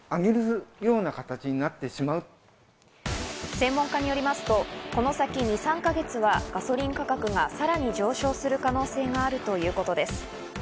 専門家によりますと、この先２３か月はガソリン価格がさらに上昇する可能性があるということです。